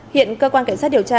hiện cơ quan cảnh sát điều tra